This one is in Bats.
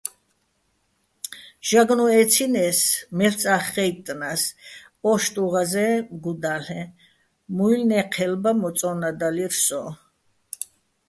ჟაგნო̆ ე́ცინეს, მელ'წა́ხ ხაჲტტნა́ს, ო́შტუჼ ღაზეჼ გუდა́ლ'ე, მუჲლნე́ჴელბა მოწო́ნადალირ სოჼ.